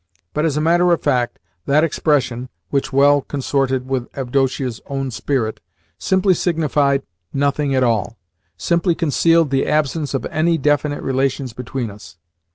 But, as a matter of fact, that expression (which well consorted with Avdotia's own spirit) simply signified nothing at all simply concealed the absence of any definite relations between us.